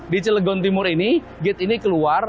di cilegon timur ini gate ini keluar